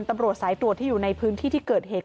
ตำรวจสายตรวจที่อยู่ในพื้นที่ที่เกิดเหตุ